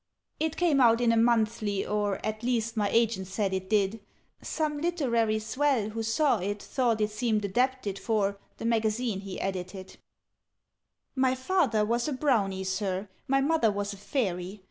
"It came out in a 'Monthly,' or At least my agent said it did: Some literary swell, who saw It, thought it seemed adapted for The Magazine he edited. "My father was a Brownie, Sir; My mother was a Fairy.